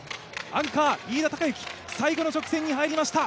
アンカー・飯田貴之、最後の直線に入りました。